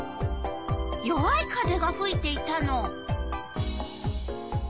弱い風がふいていたの。